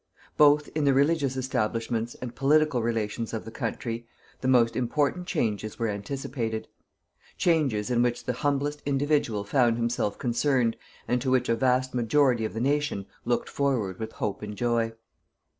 Both in the religious establishments and political relations of the country, the most important changes were anticipated; changes in which the humblest individual found himself concerned, and to which a vast majority of the nation looked forward with hope and joy.